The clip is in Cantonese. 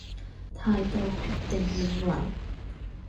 態度決定命運